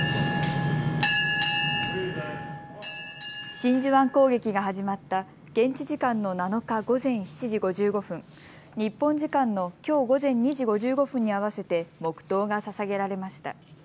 真珠湾攻撃が始まった現地時間の７日午前７時５５分日本時間のきょう午前２時５５分に合わせて黙とうがささげられました。